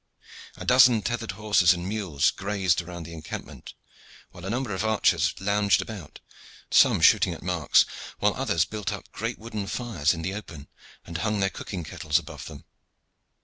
A dozen tethered horses and mules grazed around the encampment, while a number of archers lounged about: some shooting at marks, while others built up great wooden fires in the open, and hung their cooking kettles above them.